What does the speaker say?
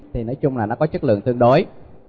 thì nói chung là nó có chất lượng tương đối